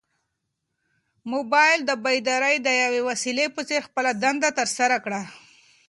موبایل د بیدارۍ د یوې وسیلې په څېر خپله دنده ترسره کړه.